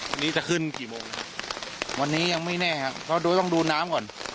วันนี้จะขึ้นกี่โมงครับวันนี้ยังไม่แน่ครับเพราะดูต้องดูน้ำก่อน